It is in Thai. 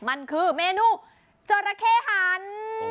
มันคือเมนูจราเข้หัน